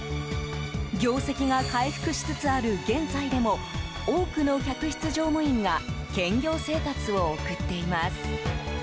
業績が回復しつつある現在でも多くの客室乗務員が兼業生活を送っています。